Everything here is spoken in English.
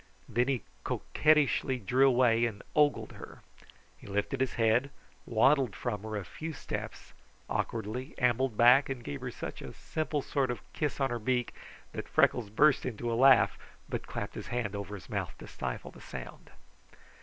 Then he coquettishly drew away and ogled her. He lifted his head, waddled from her a few steps, awkwardly ambled back, and gave her such a simple sort of kiss on her beak that Freckles burst into a laugh, but clapped his hand over his mouth to stifle the sound.